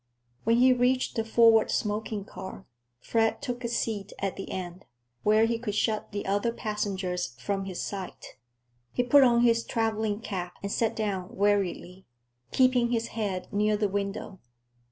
When he reached the forward smoking car, Fred took a seat at the end, where he could shut the other passengers from his sight. He put on his traveling cap and sat down wearily, keeping his head near the window.